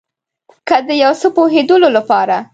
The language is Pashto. که د یو څه پوهیدلو لپاره